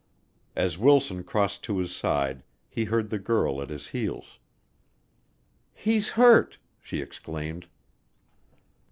As Wilson crossed to his side, he heard the girl at his heels. "He's hurt," she exclaimed.